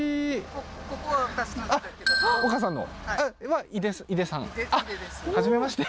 お母さんの？